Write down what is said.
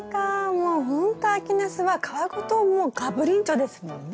もうほんと秋ナスは皮ごともうがぶりんちょですもんね。